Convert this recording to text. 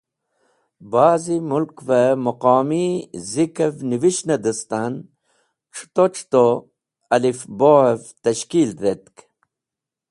Ba’zi Mulkve Muqomi Zikev Nivishne distan C̃huto C̃huto Alif-Bohev Tashkeel dhetk.